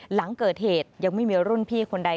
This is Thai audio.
หลังเกิดเหตุยังไม่มีรุ่นพี่คนใด